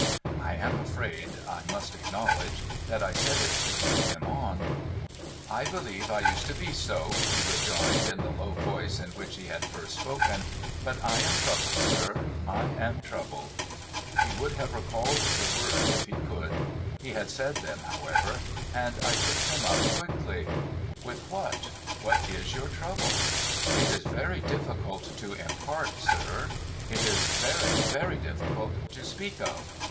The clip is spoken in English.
(I am afraid I must acknowledge that I said it to lead him on.) ' I believe I used to be so,' he rejoined, in the low voice in which he had first spoken ;' but I am troubled, sir, I am troubled.' He would have recalled the words if he could. He had said them, however, and I took them up quickly. ' With what ? A\'hat is your trouble ?'' It is very difficult to impart, sir. It is very, very difficult to speak of.